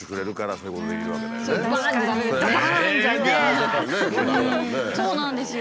そうなんですよ。